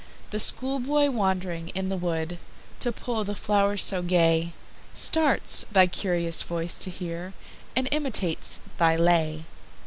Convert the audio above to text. The schoolboy wand'ring in the woodTo pull the flow'rs so gay, Starts, thy curious voice to hear, And imitates thy lay.